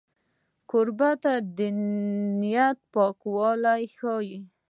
کوربه د نیت پاکوالی ښيي.